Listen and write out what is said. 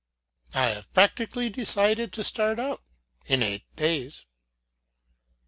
I have practically decided to set out in eight days.